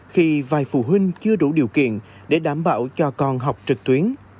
khi vài phụ huynh chưa đủ điều kiện để đảm bảo cho con học trực tuyến